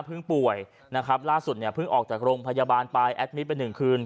ป่วยนะครับล่าสุดเนี่ยเพิ่งออกจากโรงพยาบาลไปแอดมิตไปหนึ่งคืน